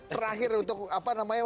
terakhir untuk apa namanya